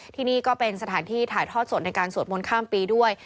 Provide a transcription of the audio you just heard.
ที่นี่ก็เป็นสถานที่ถ่ายทอดสดในการสวดมนต์ข้ามปีด้วย